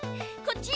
こっち！